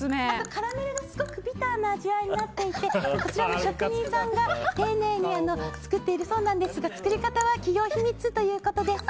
カラメルがすごくビターな味わいになっていてこちらも職人さんが丁寧に作っているそうなんですが作り方は企業秘密ということです。